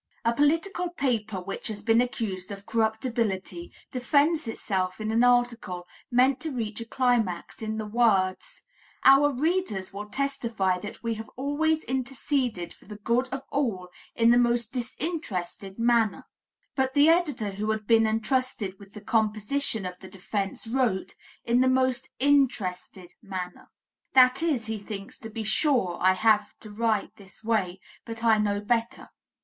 A political paper which has been accused of corruptibility, defends itself in an article meant to reach a climax in the words: "Our readers will testify that we have always interceded for the good of all in the most disinterested manner." But the editor who had been entrusted with the composition of the defence, wrote, "in the most interested manner." That is, he thinks "To be sure, I have to write this way, but I know better."